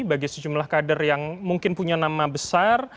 bagi sejumlah kader yang mungkin punya nama besar